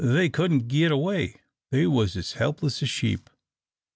They couldn't git away. They was as helpless as sheep.